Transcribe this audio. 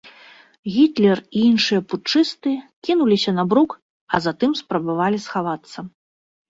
Гітлер і іншыя путчысты кінуліся на брук, а затым спрабавалі схавацца.